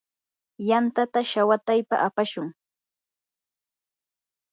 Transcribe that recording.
yantata shawataypa apashun.